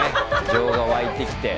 情が湧いてきて。